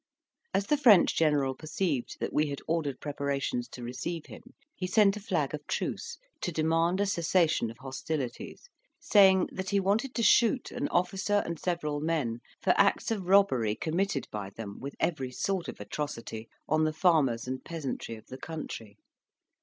As the French general perceived that we had ordered preparations to receive him, he sent a flag of truce to demand a cessation of hostilities, saying that he wanted to shoot an officer and several men for acts of robbery committed by them, with every sort of atrocity, on the farmers and peasantry of the country.